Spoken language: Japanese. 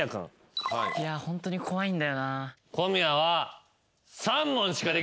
いやぁホントに怖いんだよな。